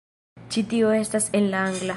Ĉi tiu estas en la angla